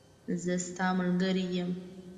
زه ستاملګری یم